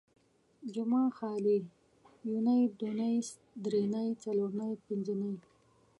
جمعه ، خالي ، يونۍ ،دونۍ ، دري نۍ، څلور نۍ، پنځه نۍ